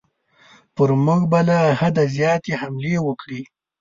پر موږ به له حده زیاتې حملې وکړي.